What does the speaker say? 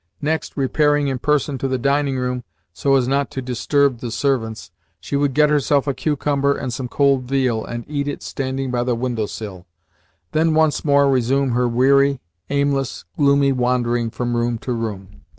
Next, repairing in person to the dining room, so as not to disturb the servants, she would get herself a cucumber and some cold veal, and eat it standing by the window sill then once more resume her weary, aimless, gloomy wandering from room to room.